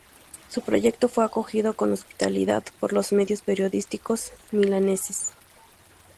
Su proyecto fue acogido con hostilidad por los medios periodísticos milaneses.